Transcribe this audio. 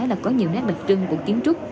là có nhiều nét đặc trưng của kiến trúc